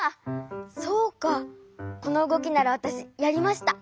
そうかこのうごきならわたしやりました。